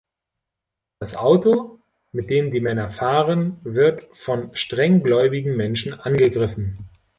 Das Auto, mit dem die Männer fahren, wird von strenggläubigen Menschen angegriffen.